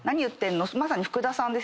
まさに福田さんですよね。